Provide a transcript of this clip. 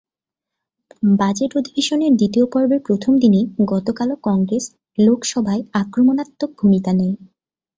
Budget অধিবেশনের দ্বিতীয় পর্বের প্রথম দিনেই গতকালও কংগ্রেস লোকসভায় আক্রমণাত্মক ভূমিকা নেয়।